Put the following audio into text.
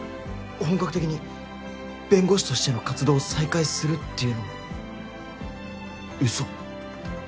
本格的に弁護士としての活動を再開するっていうのも嘘？